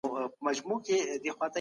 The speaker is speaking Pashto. ښه سياست د اقتصاد د ودي لامل کيږي.